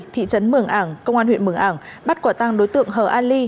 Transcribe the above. thị trấn mường ảng công an huyện mường ảng bắt quả tăng đối tượng hờ an ly